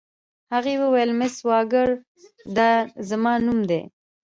هغې وویل: مس واکر، دا زما نوم دی.